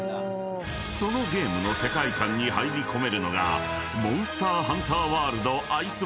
［そのゲームの世界観に入り込めるのが］